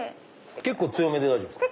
結構強めで大丈夫ですか？